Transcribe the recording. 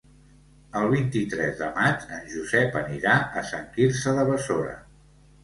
El vint-i-tres de maig en Josep anirà a Sant Quirze de Besora.